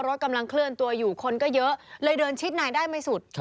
กำลังเคลื่อนตัวอยู่คนก็เยอะเลยเดินชิดในได้ไม่สุด